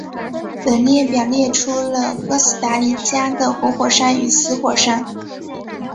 本列表列出了哥斯达黎加的活火山与死火山。